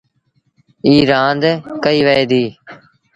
ايٚئيٚن رآند ڪئيٚ وهي ديٚ۔